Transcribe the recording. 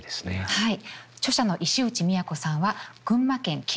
はい。